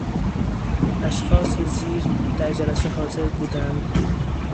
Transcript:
اشخاص زیر در جلسه حاضر بودند.....